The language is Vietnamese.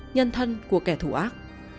nhân thân của kẻ thủ ác